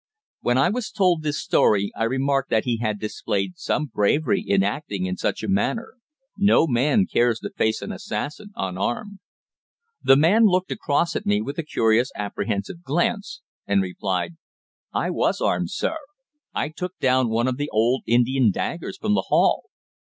When I was told this story I remarked that he had displayed some bravery in acting in such a manner. No man cares to face an assassin unarmed. The man looked across at me with a curious apprehensive glance, and replied: "I was armed, sir. I took down one of the old Indian daggers from the hall."